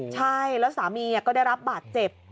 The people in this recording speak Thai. ใช่แล้วสามีก็ได้รับบาดเจ็บ